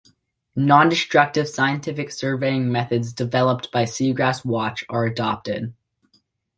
Non-destructive scientific surveying methods developed by Seagrass-Watch are adopted.